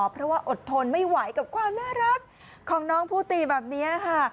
เพราะว่าอดทนไม่ไหวกับความน่ารักของน้องผู้ตีแบบนี้ค่ะ